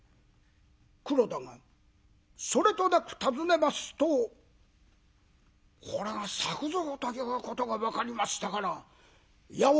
黒田がそれとなく尋ねますとこれが作蔵ということが分かりましたからいや驚いた三右衛門。